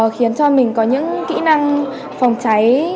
khiến cho mình có những kỹ năng phòng cháy